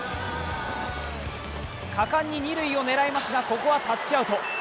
果敢に二塁を狙いますが、ここはタッチアウト。